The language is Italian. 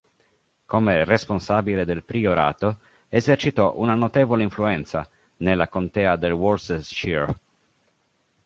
Come responsabile del Priorato esercitò una notevole influenza nella contea del Worcestershire.